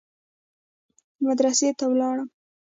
مدرسې ته ولاړم.